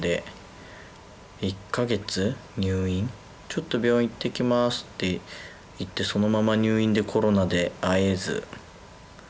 「ちょっと病院いってきます」って行ってそのまま入院でコロナで会えず。